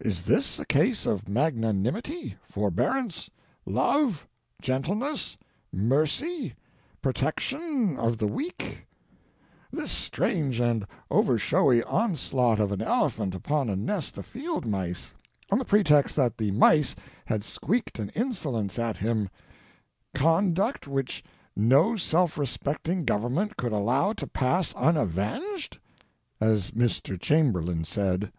Is this a case of magnanim ity, forbearance, love, gentleness, mercy, protection of the weak — this strange and over showy onslaught of an elephant upon a nest of field mice, on the pretext that the mice had squeaked an insolence at him — conduct which 'no self respecting govern ment could allow to pass unavenged?' as Mr. Chamber lain said.